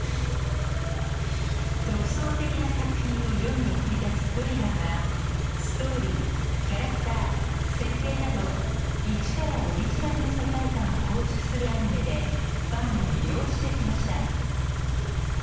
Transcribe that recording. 独創的な作品を世に送り出すＴＲＩＧＧＥＲはストーリーキャラクター設定など一からオリジナルの世界観を構築するアニメでファンを魅了してきました。